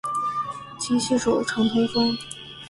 勤洗手，常通风。